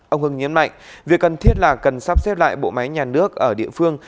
ông hương nhiễm mạnh việc cần thiết là cần sắp xếp lại bộ máy nhà nước ở địa phương